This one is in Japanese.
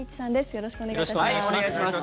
よろしくお願いします。